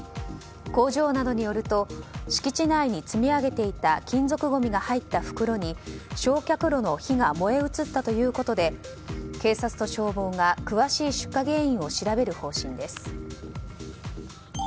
工場などによると敷地内に積み上げていた金属ごみが入った袋に焼却炉の火が燃え移ったということで警察と消防が詳しい出火原因を調べる方針です。